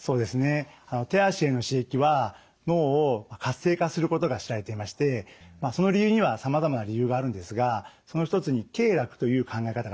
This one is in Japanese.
手足への刺激は脳を活性化することが知られていましてその理由にはさまざまな理由があるんですがその一つに経絡という考え方があります。